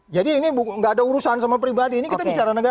jadi ini gak ada urusan sama pribadi ini kita bicara negara